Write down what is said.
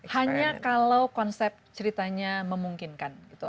hanya kalau konsep ceritanya memungkinkan gitu